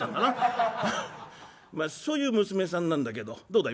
まあそういう娘さんなんだけどどうだい？